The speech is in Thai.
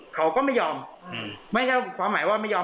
เขาก็ไม่ยอมไม่ใช่ความหมายว่าไม่ยอม